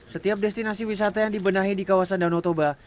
setiap destinasi wisata yang dibenahi di kawasan danau toba